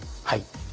はい。